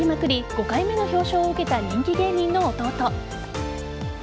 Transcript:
５回目の表彰受けた人気芸人の弟。